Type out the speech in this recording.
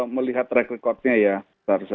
melihat track recordnya ya